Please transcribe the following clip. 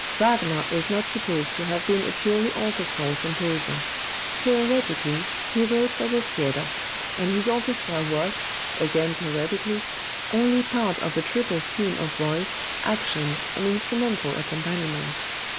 Wagner is not supposed to have been a purely orchestral composer. Theoretically, he wrote for the theatre, and his orchestra was (again theoretically) only part of a triple scheme of voice, action and instrumental accompaniment.